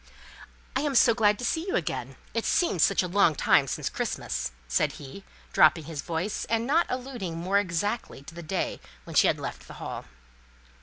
"I am so glad to see you again it seems such a long time since Christmas," said he, dropping his voice, and not alluding more exactly to the day when she had left the Hall.